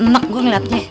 nek gua ngelatnya